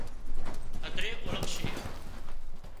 هڌري اوۯکشي